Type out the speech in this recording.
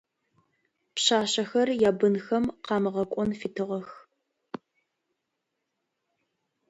Пшъашъэхэр ябынхэм къамыгъэкӏон фитыгъэх.